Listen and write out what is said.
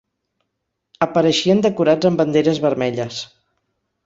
Apareixien decorats amb banderes vermelles